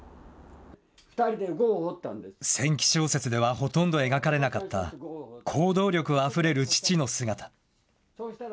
ほとんど描かれなかった行動力あふれる父の姿。